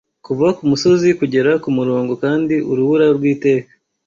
kuva kumusozi kugera kumurongo Kandi urubura rwiteka